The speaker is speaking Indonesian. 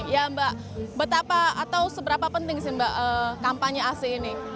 ya mbak betapa atau seberapa penting sih mbak kampanye ac ini